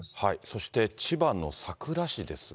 そして千葉の佐倉市ですが。